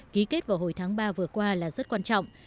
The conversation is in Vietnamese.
ký kết vào hồi tháng ba vừa qua là rất quan trọng